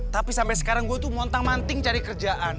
tapi sampai sekarang gue tuh montang manting cari kerjaan